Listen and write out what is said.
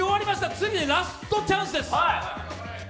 次でラストチャンスです。